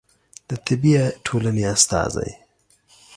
د طبي ټولنې استازی